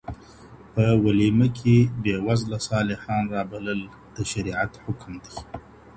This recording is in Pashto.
په وليمه کي بيوزله صالحان رابلل د شريعت حکم دی.